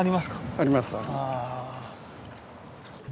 あります。